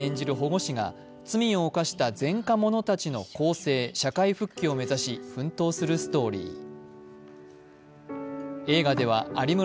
有村さん演じる保護司が罪を犯した前科者たちの更生・社会復帰を目指し奮闘するストーリー。